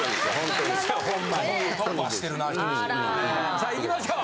さあいきましょう。